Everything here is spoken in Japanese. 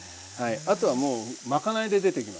あとはもうまかないで出てきます。